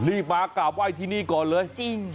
รีบมากราบไหว้ที่นี่ก่อนเลยจริง